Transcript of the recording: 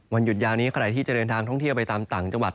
หยุดยาวนี้ใครที่จะเดินทางท่องเที่ยวไปตามต่างจังหวัด